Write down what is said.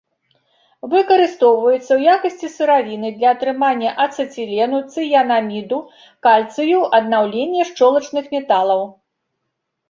Выкарыстоўваецца ў якасці сыравіны для атрымання ацэтылену, цыянаміду кальцыю, аднаўлення шчолачных металаў.